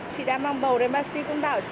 chị đang mang bầu đây bác sĩ cũng bảo chị